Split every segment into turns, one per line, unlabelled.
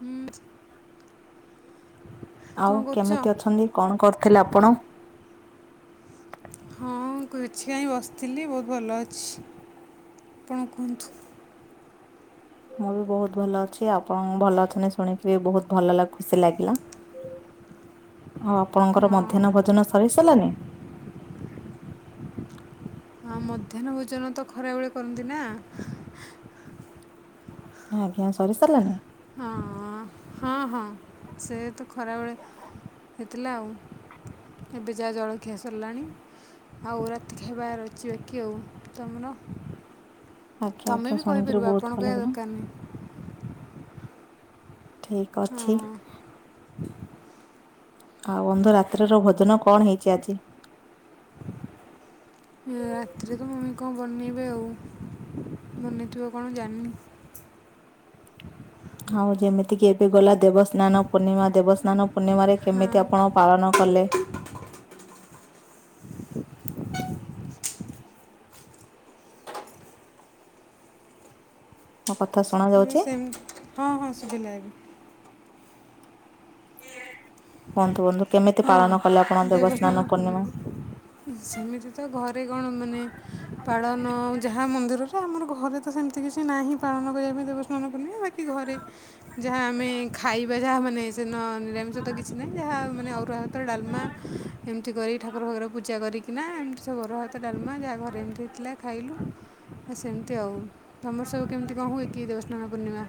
ହୁଁ
ଆଉ
କଣ କରୁଛ?
କେମିତି ଅଛନ୍ତି କଣ କରିଥିଲେ ଆପଣ?
ହଁ ଗୋଛି ଆଇ ବସିଥିଲି ବହୁତ ଭଲ ଅଛି। ଆପଣ କୁହନ୍ତୁ?
ମୁଁ ବି ବହୁତ ଭଲ ଅଛି ଆପଣ ଭଲ ଅଛନ୍ତି ଶୁଣିକି ବି ବହୁତ ଭଲ ଖୁସି ଲାଗିଲା। ଆଉ ଆପଣଙ୍କର
ହଁ
ମଧ୍ୟାହ୍ନ ଭୋଜନ ସରି ସାରିଲାନି?
ହ ମଧ୍ୟାହ୍ନ ଭୋଜନ ତ ଖରାବେଳେ କରନ୍ତି ନା।
ଆଜ୍ଞା ସରି ସାରିଲାନି?
ହଁ। ହଁ ହଁ। ସେ ତ ଖରାବେଳେ, ହେଇଥିଲା ଆଉ। ଏବେ ଯାହା ଜଳଖିଆ ସରିଲାଣି। ଆଉ ରାତି ଖାଇବାର ଅଛି ବାକି ଆଉ। ତମର?
ଆଜ୍ଞା
ତମେ
ଆଜ୍ଞା
ବି
ଶୁଣିକିରି
କହିପାରିବ,
ବହୁତ
ଆପଣ
ଭଲ
କହିବା
ଲାଗିଲା
ଦରକାର ନାହି।
ଠିକ୍ ଅଛି।
ହଁ
ଆଉ ଅନ୍ଧ ରାତ୍ରର, ଭୋଜନ କଣ ହେଇଛି ଆଜି?
ହୁଁ ରାତିରେ ତ ମମି କଣ, ବନେଇବେ? ଆଉ ବନେଇଥିବ କଣ ଜାଣିନି।
ଖାଉ ଯେମିତି କିି ଏବେ ଗଲା ଦେବସ୍ନାନ ପୂର୍ଣ୍ଣିମା। ଦେବସ୍ନାନ ପୂର୍ଣ୍ଣିମାରେ
ହଁ
କେମିତି ଆପଣ ପାଳନ କଲେ? ହଁ କ
ହଁ ସେମ୍। ହଁ ହଁ, ଶୁଭିଲା ଏବେ।
ବନ୍ଧୁ, ବନ୍ଧୁ। କେମିତି
ହଁ
ପାଳନ କଲେ ଆପଣ
ଦେବସ୍ନାନ ପୂର୍ଣ୍ଣିମା। ସେମିତି ତ ଘରେ କଣ ମାନେ, ପାଳନ ଆଉ ଯାହା ମନ୍ଦିର ହଁ ଆମର ଘରେ ତ ସେମିତି କିଛି ନାହିଁ, ପାଳନ କରିବା ପାଇଁ ଦେବସ୍ନାନ ପୂର୍ଣିମା, ବାକି ଘରେ ଯାହା ଆମେ ଖାଇବା ଯାହା ମାନେ ସେଦିନ ନିରାମିଷ ତ କିଛି ନାହିଁ? ଯାହା ମାନେ ଅରୁ ରୁହା, ଭାତ ଡାଲମା, ଏମିତି କରି ଠାକୁର ଫାକୁର ପୂଜା କରିକିନା ସେ ଅରୁଆଭାତ ଡାଲମା, ଯାହା ଘରେ ଏମିତି ହେଇଥିଲା ଖାଇଲୁ ଆଉ, ସେମିତି ଆଉ। ତମର ସବୁ କେମିତି କଣ ହୁଏ? କି ଦେବସ୍ନାନ ପୂର୍ଣ୍ଣିମା?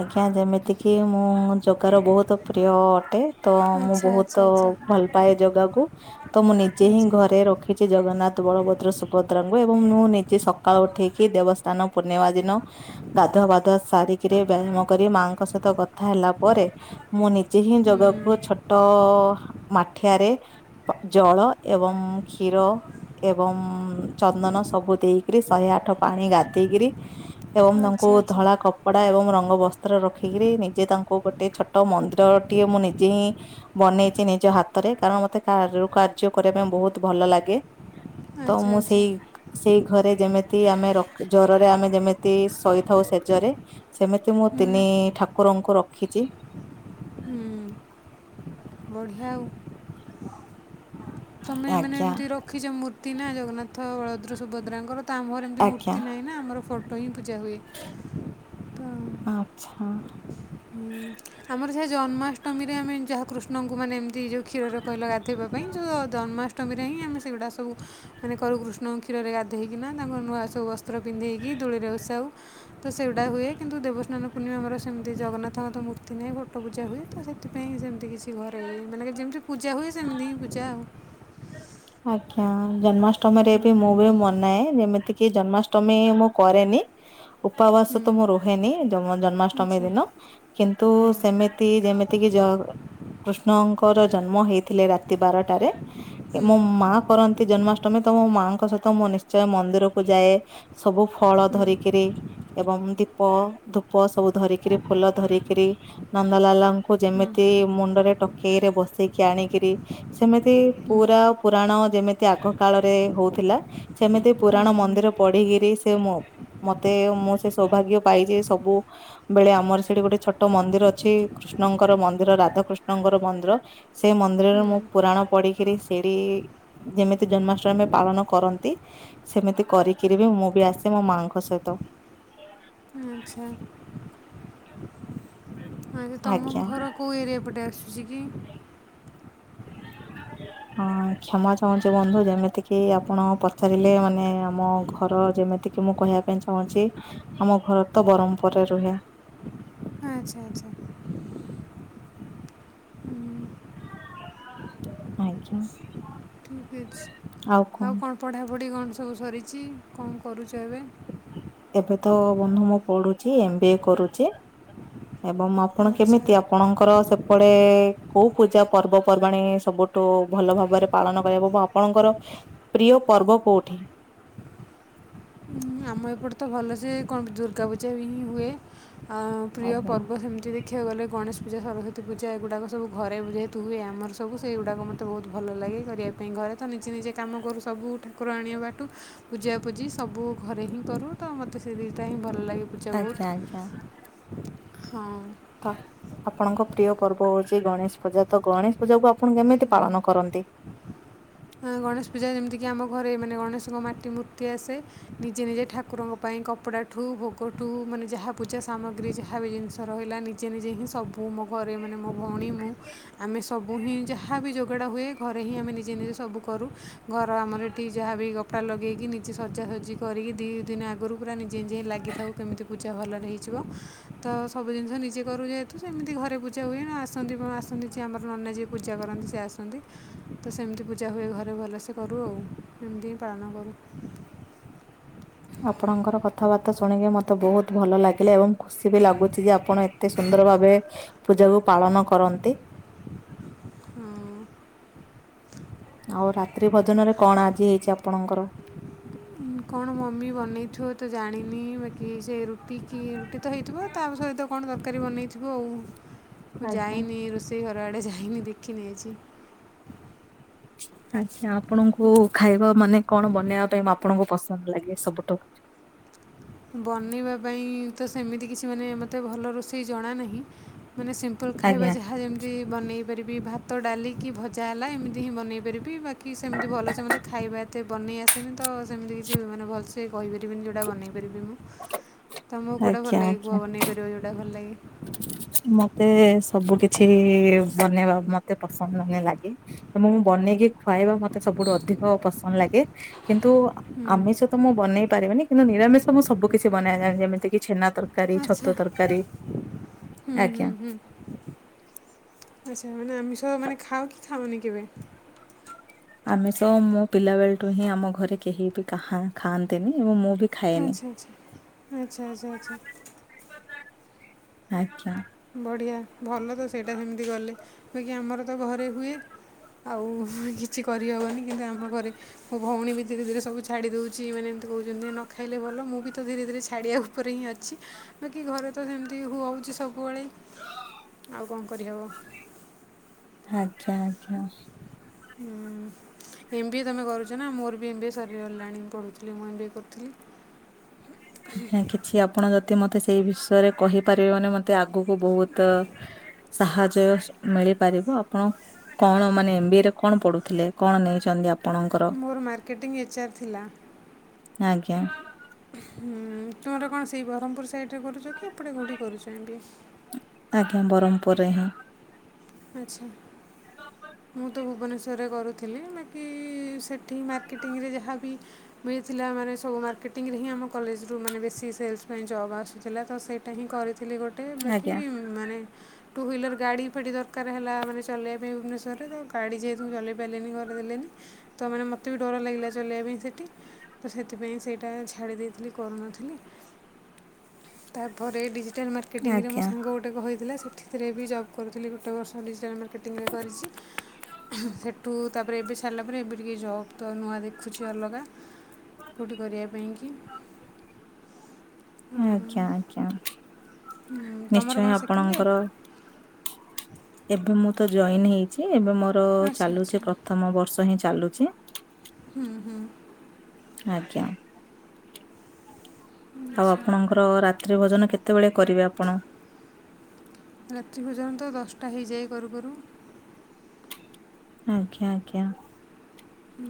ଆଜ୍ଞା ଆଜ୍ଞା। ମେତେକି ମୁଁ ଜଗାର ବୋହୁତ୍ ପ୍ରିୟ ଅଟେ। ତ, ମୁଁ
ଆଚ୍ଛା ଆଚ୍ଛା
ବହୁତ
ଆଚ୍ଛା
ଭଲ ପାଏ ଜାଗାକୁ। ତ ମୁଁ ନିଜେ ହିଁ
ଆଚ୍ଛା
ଘରେ ରଖିଛି। ଜଗନ୍ନାଥ, ବଳଭଦ୍ର, ସୁଭଦ୍ରାଙ୍କୁ ଏବଂ ମୁଁ ନିଜେ ସକାଳୁ ଉଠେଇ କି ଦେବସ୍ଥାନ ପୂର୍ଣ୍ଣିମା ଦିନ, ଗାଧୁଆ ପାଧୂଆ ସାରିକି ବ୍ୟାୟାମ କରି, ମାଆଙ୍କ ସହିତ କଥା ହେ ହେଲା ପରେ, ମୁଁ ନିଜେ ହିଁ
ହୁଁ
ଜାଗାକୁ ଛୋଟ ମାଠିଆରେ ଜଳ ଏବଂ କ୍ଷୀର ଏବଂ ଚନ୍ଦନ ସବୁ ଦେଇକରି ଶହେ ଆଠ ପାଣି ଗାଧେଇକିରି ଏବଂ ତାଙ୍କୁ
ଆଚ୍ଛା ଆଚ୍ଛା
ଧଳା କପଡା ଏବଂ ର ତାଙ୍କ ବସ୍ତ୍ର ରଖିକିରି, ନିଜେ ତାଙ୍କୁ ଗୋଟେ ଛୋଟ ମନ୍ଦିର ଟିଏ, ମୁଁ ନିଜେ ହିଁ ବନେଇଛି ନିଜ ଏ ହାତରେ କାରଣ ମତେ କାର-କାର୍ଯ୍ୟ କରିବା ପାଇଁ, ବହୁତ ଭଲ ଲାଗେ। ତ
ଆଚ୍ଛା
ମୁଁ
ଆଚ୍ଛା
ସେଇ, ସେଇ ଘରେ ଯେମିତି ଆମେ ଜରରେ ଆମେ ଯେମିତି ଶୋଇଥାଉ ସେଜରେ, ସେମିତି ମୁଁ
ହୁଁ
ତିନି ଠାକୁ କୁକୁରଙ୍କୁ ରଖିଛି।
ହୁଁ ବଢ଼ିଆ ଆଉ।
ହଁ
ତମେ ମାନେ ଏମିତି ରଖିଛ ମୂର୍ତ୍ତି ନା? ଜଗନ୍ନାଥ, ବଳଭଦ୍ର, ସୁଭଦ୍ରାଙ୍କର? ତ ଆମର ଏମିତି
ଆଜ୍ଞା
ମୂର୍ତ୍ତି ନାହିଁ ନା। ଆମର ଫଟୋ ହିଁ ପୂଜା ହୁଏ। ତ
ଆଛା।
ହୁଁ, ଆମର ଯାହା ଜନ୍ମାଷ୍ଟମୀରେ, ଆମେ ଯାହାକୃଷ୍ଣଙ୍କୁ ମାନେ ଏମିତି ଯଉ କ୍ଷୀରରେ କହିଲ ଗା ଥିବା ପାଇଁ ଯଉଁ ଜନ୍ମା ଅଷ୍ଟମୀରେ ହିଁ ଆମେ ସେଗୁଡା ସବୁ କରୁ, କୃଷ୍ଣଙ୍କ କ୍ଷୀରେ ଗଧୋଇକିନା ତାଙ୍କ ନୂଆ ସବୁ ବସ୍ ସ୍ତ୍ର, ପୀନ୍ଧେଇକି ଦୋଳିରେ ବସାଉ। ତ ସେଇଗୁଡା ହୁଏ। କିନ୍ତୁ ଦେବସ୍ନାନ ପୂର୍ଣ୍ଣିମା ଆମର, ସେମତି ଜନ୍ନାଥଙ୍କ ତ ମୁ ମୂର୍ତ୍ତୀ ନାହିଁ ଫୋଟ ପୂଜା ହୁଏ। ତ ସେଥିପାଇଁ ସେମିତି କିଛି ଘରେ, ମାନେ ଯେମିତି ପୂଜା ହୁଏ। ସେମିତି ହିଁ ପୁଜା।
ଆଜ୍ଞା ଜନ୍ମାଷ୍ଟମୀରେ ବି ମୁଁ ବି ମନାଏ। ଯେମିତି କି ଜନ୍ମାଷ୍ଟମୀ ମୁଁ କରେନି। ଉପାବାସ
ହୁଁ,
ତ ମୁଁ ରୁହେନି, ଜନ୍ମାଷ୍ଟମୀ
ଆଚ୍ଛା
ଦିନ। କିନ୍ତୁ ସେମିତି ଯେମିତି କି ତ କୃଷ୍ଣଙ୍କ ର, ଜନ୍ମ ହେଇଥିଲେ, ରାତି ବାରଟାରେ।
ହୁଁ,
ଏ
ହୁଁ,
ମୋ ମା କରନ୍ତି ଜନ୍ମାଷ୍ଟମୀ। ତ ମୋ ମାଆଙ୍କ ସହିତ ମୁଁ ନିଶ୍ଚୟ ମନ୍ଦିର କୁ ଯାଏ ସବୁ ଫଳ
ହୁଁ,
ଧରିକିରି ଏବଂ ଦୀପ ଧୂପ ସବୁ ଧରିକିରି ଫୁଲ ଧରିକିରି ନନ୍ଦଲାଲଙ୍କୁ
ହୁଁ,
ଯେମିତି ମୁଣ୍ଡରେ ଟକେଇରେ ବସେଇକି ଆଣିକିରି ସେମିତି
ହୁଁ, ହୁଁ,
ପୁରା ପୁରାଣ ଯେମିତି ଆଗ କାଳରେ ହଉଥିଲା ସେମିତି ପୁରାଣ
ହୁଁ,
ମନ୍ଦିର ପଢିକି ସେ ମୋ ମତେ ମୁଁ ସେ ସୌଭାଗ୍ୟ ପାଇ ଯେ ସବୁବେଳେ ଆମର ସେଠି ଗୋଟେ ଛୋଟ ମ ମନ୍ଦିର ଅଛି କୃଷ୍ଣଙ୍କର ମନ୍ଦିର ରାଧାକୃଷ୍ଣଙ୍କର ମନ୍ଦିର, ସେ ମନ୍ଦିରରେ
ହୁଁ,
ମୁଁ ପୁରାଣ ପଢି କିରି ସେରି ଯେମିତି ଜନ୍ମାଷ୍ଟମୀ ପାଳନ କରନ୍ତି ସେମିତି କରିକିରି ବି ମୁଁ ବି ଆସେ ମୋ ମାଆଙ୍କ ସହିତ [inaudible]
ଆଚ୍ଛା। ଆଚ୍ଛା ତମ
ଆଜ୍ଞା
ଘର କୋଉ ଏରିଆ ପଟେ ଆସୁଚି କି?
[inaudible] ହଁ କ୍ଷମା ଚାହୁଁଚି ବନ୍ଧୁ। ଯେମିତି କିି ଆପଣ ପଚାରିଲେ ମାନେ ଆମ ଘର ଯେମିତି ଏତିକି ମୁଁ କହିବା ପାଇଁ ଚାହୁଁଛି ଆମ ଘର ତ ବ୍ରହମପୁରରେ ରୁହେ।
ଆଚ୍ଛା ଆଚ୍ଛା।
ଆଜ୍ଞା।
ଠିକ ଅଛି ଆଉ କଣ ପଢ଼ାପଢ଼ି କଣ ସବୁ ସରିଚି, କଣ କରୁଚ ଏବେ?
ଏବେ ତ ବନ୍ଧୁ ମୁଁ ପଢୁଚି ଏମ ବି ଏ କରୁଚି ଏବଂ ଆପଣ
ଆଚ୍ଛା
କେମିତି ଆପଣଙ୍କର ସବ ସେପଟେ କୋଉ ପୂଜା ପର୍ବପର୍ବାଣି ସବୁଠୁ ଭଲ ଭାବରେ ପାଳନ କରିବାକୁ ଏବଂ ଆପଣଙ୍କର ପ୍ରିୟ ପର୍ବ କୋଉଠି?
[inaudible] ଆମ ଏପଟେ ତ ଭଲସେ କଣ ଦୁର୍ଗା ପୂଜା ହିଁ ହୁଏ। ଆ ପ୍ରିୟ
ଆଜ୍ଞା।
ପର୍ବ ସେମିତି ଦେ ଦେଖିବାକୁ ଗଲେ ଗଣେଶ ପୂଜା, ସରସ୍ଵତି ପୂଜା ଏୁଗୁଡ଼ାକ ସବୁ ଘରେ ଯେହେତୁ ହୁଏ ଆମର ସବୁ ସେଗୁଡ଼ା ମତେ ବହୁତ ଭଲ ଲାଗେ। ଲାଗେ କରିବା ପାଇଁ। ଘରେ ତ ନିଜେ ନିଜେ କାମ କରୁ ସବୁ ଠାକୁର ଆଣିବା ବାଟୁ ପୂଜାପୂଜି ସବୁ ଘରେ ହିଁ କରୁ ତ ମୋତେ ସେ ଦି ଟା ହିଁ ଭଲ ଲାଗେ ପୂଜା
ଆଚ୍ଛା ଆଚ୍ଛା।
ବହୁତ। ହଁ।
[inaudible] ଆପଣଙ୍କ ପ୍ରିୟ ପର୍ବ ହଉଚି ଗଣେଶ ପୂଜା। ତ ଗଣେଶ ପୂଜା କୁ ଆପଣ କେମିତି ପାଳନ କରନ୍ତି?
ଗଣେଶ ପୂଜା ଯେମିତି କିି ଆମ ଘରେ ମାନେ ଗଣେଶଙ୍କ ମା ଟି ମୂର୍ତ୍ତି ଆସେ। ନିଜେ ନିଜେ ଠାକୁରଙ୍କ ପାଇଁ କପଡ଼ା ଠୁ ଭୋଗ ଠୁ ମାନେ ଯାହା ପୂଜା ସାମଗ୍ରୀ ଗ୍ରି ଜାହାବି ଜିନିଷ ରହିଲା ନିଜେ ନିଜେ ହିଁ ସବୁ ମୋ ଘରେ, ମାନେ ମୋ ଭଉଣୀ ମୁ ଆମେ ସବୁ ହିଁ ଯାହାବି ଯୋ ସଜଡ଼ା ହୁଏ ଘରେ ହି ଆମେ ନିଜେ ନିଜେ ସ ସବୁ କରୁ। ଘର ଆମର ଏଠି ଯାହା ବି କପଡ଼ା ଲଗେଇକି ନିଜେ ସଜାସଜି କରିକି ଦି ଦିନ ଆଗରୁ ପୁରା ନିଜେ ନିଜେ ଲାଗିଥାଉ, କେମିତି ପୂଜା ଭଲରେ ହେଇିଯିବ। ତ ସବୁ ଜିନିଷ ନିଜେ କରୁ ଯେହେତୁ ସେମିତି ଘରେ ପୂଜା ହୁଏ। ନା ଆସନ୍ତି ଆସନ୍ତି ଯିଏ ଆମର ନନା ଯିଏ ପୂଜା କରନ୍ତି ସିଏ ଆସନ୍ତି। ତ ସେମିତି ପୂଜା ହୁଏ ଘରେ ଭଲସେ କରୁ ଆଉ। ଏମିତି ହିଁ ପାଳନ କରୁ।
ଆପଣଙ୍କର କଥାବାର୍ତ୍ତା ଶୁଣିକି ମତେ ବହୁତ ଭଲ ଲାଗିଲା ଏବଂ ଖୁସି ବି ଲାଗୁଚି ଯେ ଆପଣ ଏତେ ସ ସୁନ୍ଦର ଭାବେ ପୂଜାକୁ ପାଳନ କରନ୍ତି।
ହଁ।
ଆଉ ରାତ୍ରି ଭୋଜନରେ କଣ ଆଜି ହେଇଛି ଆପଣଙ୍କର?
କଣ ମମି ବନେଇଥିବ ତ ଜାଣିନି। ବାକି ସେ ରୁଟି କି ରୁଟି ତ ହେଇଥିବ ତା ସହିତ ତ କଣ ତରକାରୀ ବନେଇଥିବ ଆଉ। ମୁଁ
ଆଜ୍ଞା।
ଯାଇନି ରୋଷେଇ ଘର ଆଡେ, ଯାଇନି ଦେଖିନି କିଛି।
ଆଛା। ଆପଣଙ୍କୁ ଖାଇବା ମାନେ କଣ ବନେଇବା ପାଇଁ ଆପଣଙ୍କୁ ପସନ୍ଦ ଲାଗେ ସବୁଠୁ?
ବନେଇବା ପାଇଁ ତ ସେମିତି କିଛି ମାନେ ମୋତେ ଭଲ ରୋଷେଇ ଜଣା ନାହିଁ। ମାନେ ସିମ୍ପଲ୍ ଖାଇବା
ଆଜ୍ଞା
ଯାହା ଯେମିତି ବନେଇ ପାରିବି ଭାତ ଡାଲି କି ଭଜା ହେଲା ଏମିତି ହିଁ ବନେଇ ପାରିବି ବାକି ସେମିତି ଭଲସ ମତେ ଖାଇବା ଏତେ ବନେଇ ଆସେନି ତ ସେମିତି କିଛି ମାନେ ଭଲସେ କହିପାରିବିନି ଯେଉଁଟା ବନେଇବି। ବନେଇ ପାରିବି ମୁଁ। ତମକୁ କେଉଁଟା ଭଲ
ଆଜ୍ଞା
ଲାଗେ
ଆଜ୍ଞା।
କୁହ ବନେଇ ପାରିବ ଯେଉଁଟା ଭଲ ଲାଗେ।
ମତେ ସବୁ କିଛି ବନେଇବା ମତେ ପସନ୍ଦ ମାନେ ଲା କି ତ ମୁଁ ବନେଇକି ଖୁଆଇବା ମତେ ସବୁଠୁ ଅଧିକ ପସନ୍ଦ ଲାଗେ। କିନ୍ତୁ ଆ ଆମିଷ ତ ମୁଁ ବନେଇ ପାରିବନି କିନ୍ତୁ ନିରାମିଷ ମୁଁ ସବୁ କିଛି ବନାଏ ଏଁ ଯେମିତି କି ଛେନା ତରକାରୀ,
ଆଚ୍ଛା
ଛତୁ ତରକାରୀ ଆଜ୍ଞା।
ଆଚ୍ଛା ମାନେ ଆମିସ ମାନେ ଖାଅ କି ଖାଅନି କେବେ?
ଆମିସ ମୁଁ ପିଲା ବେଳଠୁ ହିଁ ଆମ ଘରେ କେହି ବି ଖା ଖାଆନ୍ତିନି ଏବଂ ମୁଁ ବି ଖାଏନି।
ଆଚ୍ଛା ଆଚ୍ଛା ଆଚ୍ଛା ଆଚ୍ଛା ଆଚ୍ଛା।
ଆଜ୍ଞା।
ବଢ଼ିଆ ଭଲ ତ ସେଇଟା ହେମିତି କଲେ ବାକି ଆମର ତ ଘରେ ହୁଏ। ଆଉ କିଛି କରିହବନି କିନ୍ତୁ ଆମ ଘରେ ମୋ ଭଉଣୀ ବି ଧୀରେ ଧୀରେ ସବୁ ଛାଡ଼ିଦଉଛି ମାନେ ମତେ କହୁଛନ୍ତି ନ ଖାଇଲେ ଭଲ ମୁଁ ବି ତ ଧୀରେ ଧୀରେ ଛାଡ଼ିବା ଉପରେ ହିଁ ଅଛି ବାକି ଘରେ ତ ସେମିତି ହୁ ହଉଚି ସ କୁଆଳେ ଆଉ କଣ କରିହେବ?
ଆଚ୍ଛା ଆଚ୍ଛା।
ହୁଁ। ଏମ ବି ଏ ତମେ କରୁଛ ନା ମୋର ଏମ ବି ଏ ସରିଗଲାଣି ପଢ଼ୁଥିଲି ମୁଁ ଏମ ବିଏ କରୁଥିଲି।
ଆଜ୍ଞା କିଛି ଆପଣ ଯଦି ମତେ ସି ସେଇ ବିଷୟରେ କହିପାରିବେ ମାନେ ମତେ ଆଗକୁ ବହୁତ। ସାହାଯ୍ୟ ମିଳିପାରିବ ଆପଣ। କଣ ମାନେ ଏମ ବି ଏ ରେ କଣ ପଢ଼ୁଥିଲେ କଣ ନେଇଛନ୍ତି ଆ
ମୋର ମାର୍କେଟିଙ୍ଗ ଏଚ ଆର୍ ଥିଲା।
ଆଜ୍ଞା।
ହୁଁ ତୁମର କଣ ସେଇ ବରମପୁର ସାଇଡରେ କରୁଛ କି ଏପଟେ କୋଉଠି କରୁଛ ଏମ ବି ଏ।
ଆଜ୍ଞା ବରମପୁରରେ ହିଁ।
ଆଚ୍ଛା। ମୁଁ ତ ଭୁବନେଶ୍ୱରରେ କରୁଥିଲି ବାକି ସେଠି ମାର୍କେଟିଙ୍ଗରେ ଯାହାବି। ମିଳିଥିଲା ମାନେ ସବୁ ମାର୍କେଟିଙ୍ଗରେ ହିଁ ଆମ କଲେଜରୁ ମାନେ ବେଶି ସେଲ୍ସ ପାଇଁ ଜବ୍ ଆସୁଥିଲା ତ ସେଇଟା ହିଁ କରି ଥିଲି ଗୋଟେ ବାକି
ଆଜ୍ଞା
ମାନେ ଟୁ ହ୍ୱିଲର ଗାଡ଼ି ଫାଡ଼ି ଦର ଦରକାର ହେଲା ମାନେ ଚଲେଇବା ପାଇଁ ଭୁବନେଶ୍ୱରରେ ତ ଗାଡ଼ି ଯେହେତୁ ମୁଁ ଚଲେଇ ପାରିଲିନି ଘରେ ଦେଲେନି ତ ମାନେ ମତେ ବି ଡ଼ ଡର ଲାଗିଲା ଚଲେଇବା ପାଇଁ ସେଠି ତ ସେଥିପାଇଁ ସେଇଟା ଛାଡ଼ି ଦେଇଥିଲି କରୁନଥିଲି। ତାପରେ ଏଇଠି ଯେ ଡିଜିଟାଲ ମାର୍କେଟିଙ୍ଗରେ ମୋ
ଆଜ୍ଞା
ସାଙ୍ଗ ଗୋଟେ କହିଥିଲା ସେଥି ଥିରେ ବି ଜବକରୁଥିଲି ଗୋଟେ ବର୍ଷ ଡିଜିଟାଲ ମାର୍କ ମାର୍କେଟିଙ୍ଗରେ କରିଛି ସେଠୁ ତାପରେ ଏବେ ଛାଡ଼ିଲା ପରେ ଏବେ ଟିକେ ଜବ୍ ତ ନୂଆ ଦେଖୁଛି ଅଲଗା କଉଠି କରିବା ପାଇଁ କି।
ଆଜ୍ଞା ଆଜ୍ଞା।
ଉଁ, ତମର କ'ଣ
ନିଶ୍ଚୟ
ସେକେଣ୍ଡ
ଆପଣଙ୍କର।
ଇୟର୍
ଏବେ ମୁଁ ତ ଜଏନ ହେଇଛି ଏବେ ମୋର
ଆଚ୍ଛା ଆଚ୍ଛା
ଚାଲୁଛି ପ୍ରଥମ ବର୍ଷ ହିଁ ଚାଲୁଛି।
ହୁଁ ହୁଁ।
ଆଜ୍ଞା। ଆଉ ଆପଣଙ୍କର ରାତ୍ରି ଭୋଜନ କେତେବେଳେ କରିବେ ଆପଣ?
ରାତ୍ରି ଭୋଜନ ତ ଦଶଟା ହେଇଯାଏ କରୁ କରୁ।
ଆଜ୍ଞା ଆଜ୍ଞା।
ହୁଁ।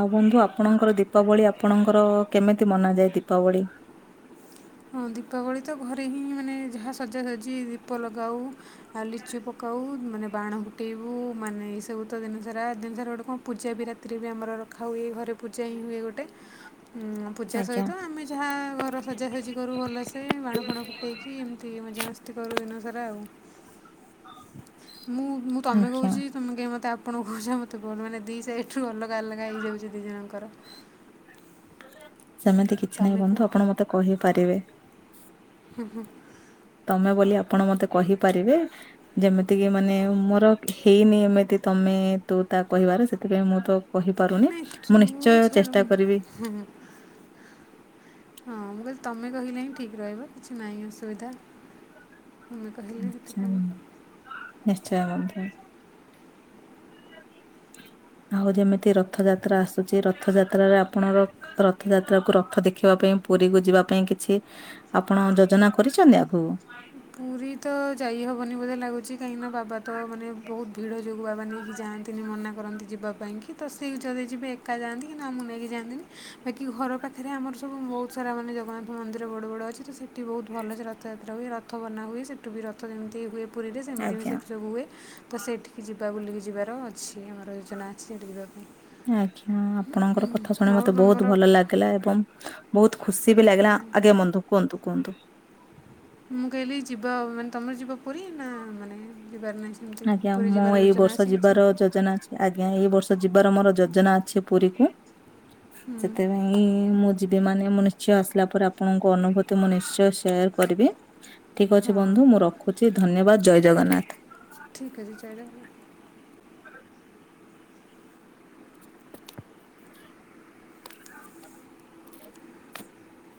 ଆଉ ବନ୍ଧୁ ଆପଣଙ୍କର ଦୀପାବଳି ଆପଣଙ୍କର କେମିତି ମନାଯାଏ ଦୀପାବଳି?
ହଁ ଦୀପାବଳି ତ ଘରେ ହିଁ ମାନେ ଯାହା ସଜାସଜି ଦୀପ ଲଗାଉ ଆ ଲିଚୁ ପକା ଆଉ ମାନେ ବାଣ ଫୁଟେଇବୁ ମାନେ ଏଇସବୁ ତ ଦିନ ସାରା ଦିନସାରା ଗୋଟେ କଣ ପୂଜା ବି ରାତିରେ ହୁଏ ଆମର ର ରଖା ହୁଏ ଘରେ ପୂଜା ହିଁ ହୁଏ ଗୋଟେ ଉଁ ପୂଜା
ଆଜ୍ଞା।
ସହିତ ଆମେ ଯାହା ଘର ସଜାସଜି ରୁ ଭଲ ସେ ବାଣ ଫାଣ ଫୁଟେଇକି ଏମିତି ମଜାମସ୍ତି କରୁ ଦିନସାରା ଆଉ ମୁଁ ମୁଁ ତମେ
ଆଜ୍ଞା
କହୁଛି ତମେ କାଇଁ ମତେ ଆ ଆପଣ କହୁଛ ମୋତେ ଭଲ ମାନେ ଦି ସାଇଡ ରୁ ଅଲଗା ଅଲଗା ହେଇଯାଉଛି ଦି ଜଣଙ୍କର।
ସେମିତି କିଛି ନାହିଁ
ତୁମେ କୁହ
ବନ୍ଧୁ ଆପଣ ମତେ କହିପାରିବେ।
ହୁଁ ହୁଁ।
ତମେ ବୋଲି ଆପଣ ମତେ କହିପାରିବେ ଯେମିତି କିି ମାନେ ମୋର ହେଇନି ଏମିତି ତମେ ତୁ ତା କହିବାରେ ସେଥିପାଇଁ ମୁଁ ତ କହିପାରୁନି
ନାଇଁ ତୁ
ମୁଁ ନିଶ୍ଚୟ ଚେଷ୍ଟା କରିବି।
ଛାଡ଼ ହଁ ମୁଁ କହିଲି ତମେ କହିଲେ ହିଁ ଠିକ ରହିବ କିଛି ନାହିଁ ଅସୁବିଧା। ତୁମେ କହିଲେ
ନିଶ୍ଚୟ
ସେଥିପାଇଁ
ବନ୍ଧୁ ନିଶ୍ଚୟ ବନ୍ଧୁ। ଆଉ ଯେମିତି ରଥଯାତ୍ରା ଆସୁଛି ରଥଯାତ୍ରାରେ ଆପଣଙ୍କ ରଥଯାତ୍ରାକୁ ରଥ ଦେଖିବା ପାଇଁ ପୁରୀ କୁ ଯିବା ପାଇଁ କିଛି ଆପଣ ଯୋଜନା କରିଛନ୍ତି ଆଗକୁ?
ପୁରୀ ତ ଯାଇହବନି ବୋଧେ ଲାଗୁଛି କାହିଁକି ନା ବାବା ତ ମାନେ ବହୁତ ଭିଡ଼ ଯୋଗୁ ବାବା ନେଇକି ଯା ମନା କରନ୍ତି ଯିବା ପାଇଁ କି ତ ସେ ଯଦି ଯିବେ ଏକା ଯାଆନ୍ତି କି ଆମକୁ ନେଇକି ଯାଆନ୍ତିି ବାକି ଘର ଆମ ପାଖରେ ଆମର ସବୁ ବହୁତ ସା ମାନେ ଜଗନ୍ନାଥ ମନ୍ଦିର ବଡ଼ ବଡ଼ ଅଛି ତ ସେଠ୍ ଏଠି ବହୁତ ଭଲ ସେ ରଥଯାତ୍ରା ହୁଏ ରଥ ବନା ହୁଏ ସେଠୁ ବି ରଥ ଯେମିତି ହୁଏ। ପୁରୀରେ ସେମିତି ବି
ଆଜ୍ଞା
ସେଠି ସବୁ ହୁଏ ତ ସେଠିକି ଜିବ୍ ବା ବୁଲିକି ଯିବାର ଅଛି ଆମର ଯୋଜନା ଅଛି ସେଇଠି ଯିବା ପାଇଁ।
ଆଜ୍ଞା ଆପଣଙ୍କର କଥା ଶୁଣି
ଆଉ
ମତେ ବହୁତ ଭଲ
ତୁମର
ଲାଗିଲା ଏବଂ ବହୁତ ଖୁସି ବି ଲାଗିଲା ଆଗେ ବନ୍ଧୁ କୁହନ୍ତୁ କୁହନ୍ତୁ?
ମୁଁ କହିଲି ଯିବା ମାନେ ତମର ଯିବା ପରୀ? ନା ମାନେ ଯିବାର ନାହିଁ ସେମିତି
ଆଜ୍ଞା
ପୁରୀ
ମୁଁ
ଯିବାର
ଏଇ
ଯୋଜନା
ବର୍ଷ
ଅଛି କିଛି
ଯିବାର ଯୋଜନା ଆଜ୍ଞା ଏଇ ବର୍ଷ ଯିବାର ମୋର ଯୋ ଯୋଜନା ଅଛି ପୁରୀକୁ
ହୁଁ
ସେଥିପାଇଁ ମୁଁ ଯିବି ମାନେ ମୁନିସ୍ ଝିଅ ଆସିଲା ପରେ ଆପଣଙ୍କ ଅନୁଭୂତି ମୁଁ ନିଶ୍ଚୟ ସେୟାର କରିବି। ଠିକ୍ ଅଛି
ହଁ
ବନ୍ଧୁ ମୁଁ ରଖୁଛି ଧନ୍ୟବାଦ ଜୟ ଜଗନ୍ନାଥ।
ଠିକ୍ ଅଛି ଚାଇଲେ।